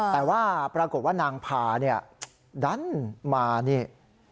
แต่ว่าปรากฏว่านางพาเนี่ยดันมานี่